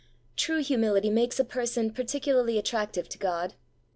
True humility makes a person particularly attractive to God.